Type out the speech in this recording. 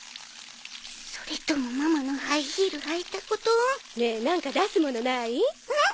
それともママのハイヒール履いたこと？ねえなんか出すものない？え？